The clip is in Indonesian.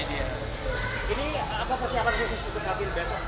ini apa persiapan khusus untuk mengambil besok